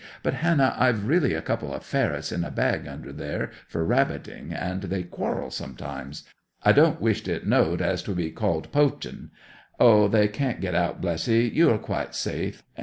But, Hannah, I've really a couple of ferrets in a bag under there, for rabbiting, and they quarrel sometimes. I don't wish it knowed, as 'twould be called poaching. Oh, they can't get out, bless ye—you are quite safe!